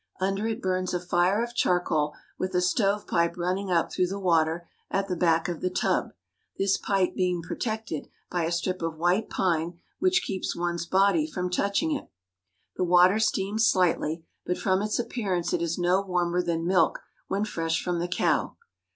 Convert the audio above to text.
Under it burns a fire of charcoal with a stovepipe running up through the water at the back of the tub, this HOME LIFE 53 Each has his own table." The Japanese are fond pipe being protected by a strip of white pine which keeps one's body from touching it. The water steams slightly, but from its appearance it is no warmer than milk when fresh from the cow.